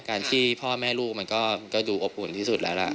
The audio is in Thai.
การที่พ่อแม่ลูกมันก็ดูอบอุ่นที่สุดแล้วล่ะ